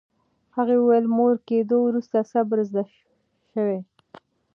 هغې وویل، مور کېدو وروسته صبر زده شوی.